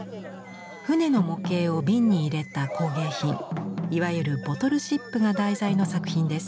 船の模型を瓶に入れた工芸品いわゆるボトルシップが題材の作品です。